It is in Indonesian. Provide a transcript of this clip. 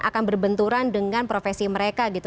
akan berbenturan dengan profesi mereka gitu